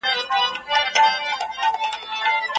تاسي کله د سرلوړي نښي وکتلې؟